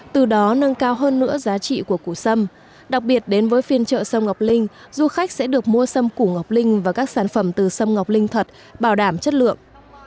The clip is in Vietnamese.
từ đó nâng cao hơn nữa giá trị của củ xâm đặc biệt đến với phiên chợ sâm ngọc linh du khách sẽ được mua sâm củ ngọc linh và các sản phẩm từ sâm ngọc linh thật bảo đảm chất lượng